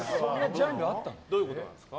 どういうことなんですか？